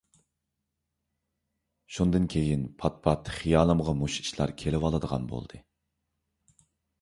شۇندىن كېيىن پات-پات خىيالىمغا مۇشۇ ئىشلار كېلىۋالىدىغان بولدى.